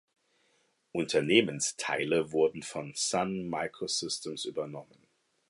Unternehmensteile wurden von Sun Microsystems übernommen.